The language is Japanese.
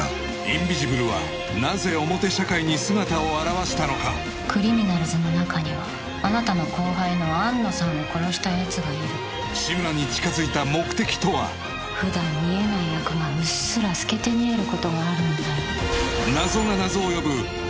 インビジブルはなぜ表社会に姿を現したのかクリミナルズの中にはあなたの後輩の安野さんを殺したやつがいるふだん見えない悪がうっすら透けて見えることがあるんだよ